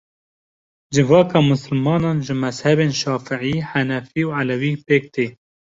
Civaka misilmanan ji mezhebên şafiî, henefî û elewî pêk tê.